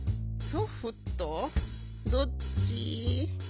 ソフト？どっち？